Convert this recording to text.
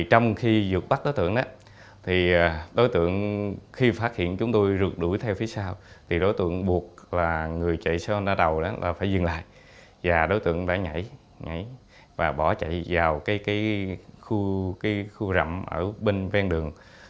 trong khi vượt bắt đối tượng đối tượng khi phát hiện chúng tôi rượt đuổi theo phía sau đối tượng buộc người chạy xe honda đầu phải dừng lại và đối tượng đã nhảy và bỏ chạy vào khu rậm ở bên đường